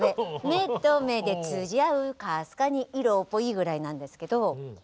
「目と目で通じ合うかすかにん・色っぽい」ぐらいなんですけどハハハ